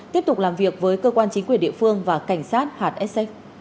tiếp tục làm việc với cơ quan chính quyền địa phương và cảnh sát hạt sx